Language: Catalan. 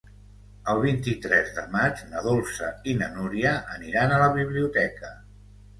El vint-i-tres de maig na Dolça i na Núria aniran a la biblioteca.